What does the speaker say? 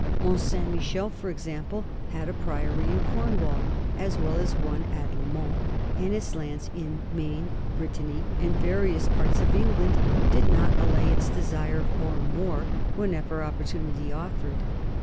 Mont Saint Michel, for example, had a priory in Cornwall as well as one at LeMans, and its lands in Maine, Brit tany, and various parts of England did not allay its desire for more whenever opportunity offered.